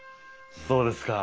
そうですか。